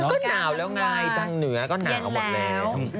ก็หนาวแล้วไงทางเหนือก็หนาวหมดแล้ว